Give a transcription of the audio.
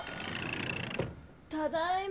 ただいま！